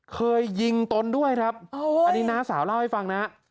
เคยยิงตนด้วยครับอันนี้น้าสาวเล่าให้ฟังนะ